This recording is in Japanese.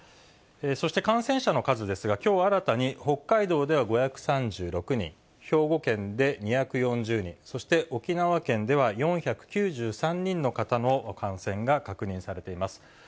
そして、感染者の数ですが、きょう新たに北海道では５３６人、兵庫県で２４０人、そして沖縄県では４９３人の方の感染が確認されています。